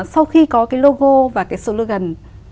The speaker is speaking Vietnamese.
sau khi có cái logo và cái slogan